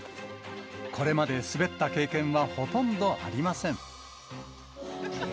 これまで滑った経験はほとんどありません。